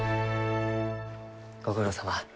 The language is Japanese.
ご苦労さま。